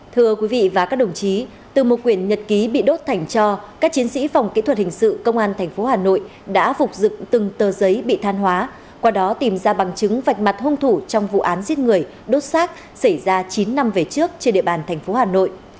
thưa quý vị và các đồng chí từ một quyện nhật ký bị đốt thành cho các chiến sĩ phòng kỹ thuật hình sự công an tp hà nội đã phục dựng từng tờ giấy bị than hóa qua đó tìm ra bằng chứng vạch mặt hung thủ trong vụ án giết người đốt xác xảy ra chín năm về trước trên địa bàn thành phố hà nội